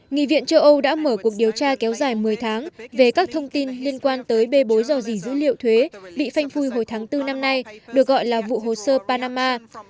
nghị viện châu âu đã mở cuộc điều tra kéo dài một mươi tháng về các thông tin liên quan tới bê bối dò dỉ dữ liệu thuế bị phanh phui hồi tháng bốn năm nay được gọi là vụ hồ sơ panama